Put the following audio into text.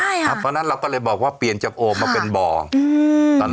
เพราะฉะนั้นเราก็เลยบอกว่าเปลี่ยนจากโอ่งมาเป็นบ่อ